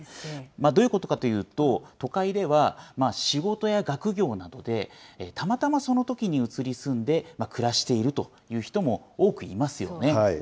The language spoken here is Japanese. どういうことかというと、都会では仕事や学業などで、たまたまそのときに移り住んで暮らしているという人も多くいますよね。